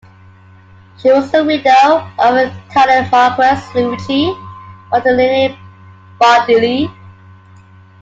She was the widow of an Italian Marquess, Luigi Bartolini-Baldelli.